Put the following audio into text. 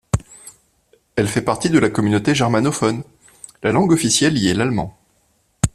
Elle fait partie de la Communauté germanophone, la langue officielle y est l'allemand.